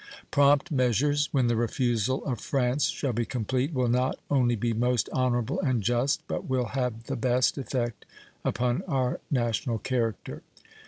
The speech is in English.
Prompt measures, when the refusal of France shall be complete, will not only be most honorable and just, but will have the best effect upon our national character.